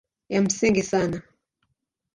Ya msingi sana